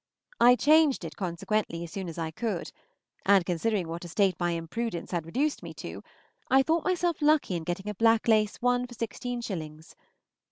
I changed it consequently as soon as I could, and, considering what a state my imprudence had reduced me to, I thought myself lucky in getting a black lace one for sixteen shillings.